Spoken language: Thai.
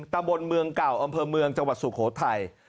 ตำบลเมืองเก่าอำเภอเมืองจังหวัดสุโขทัย